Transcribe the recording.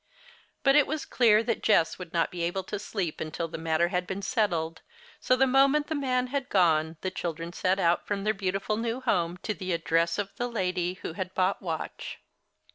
But it was clear that Jess would not be able to sleep until the matter had been settled, so the moment the man had gone, the children set out from their beautiful new home to the address of the lady who had bought Watch.